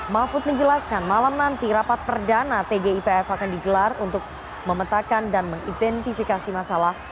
mahfud menjelaskan malam nanti rapat perdana tgipf akan digelar untuk memetakan dan mengidentifikasi masalah